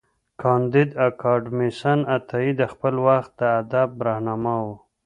کانديد اکاډميسن عطايي د خپل وخت د ادب رهنما و.